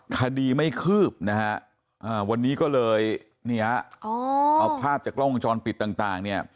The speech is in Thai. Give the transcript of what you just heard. คดีไม่คืบนะฮะวันนี้ก็เลยเนี่ยเอาภาพจากกล้องวงจรปิดต่างเนี่ย